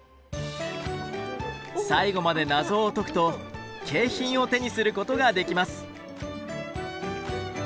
最後まで謎を解くと景品を手にすることができます。